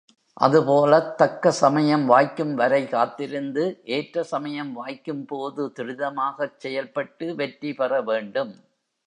அதுபோலத் தக்க சமயம் வாய்க்கும்வரை காத்திருந்து ஏற்ற சமயம் வாய்க்கும் போது துரிதமாகச் செயல்பட்டு வெற்றி பெறவேண்டும்.